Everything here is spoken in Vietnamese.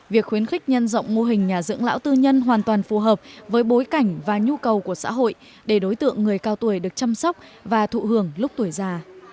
việc khuyến khích nhân rộng mô hình nhà dưỡng lão tư nhân hoàn toàn phù hợp với bối cảnh và nhu cầu của xã hội để đối tượng người cao tuổi được chăm sóc và thụ hưởng lúc tuổi già